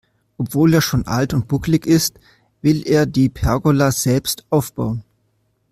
Obwohl er schon alt und bucklig ist, will er die Pergola selbst aufbauen.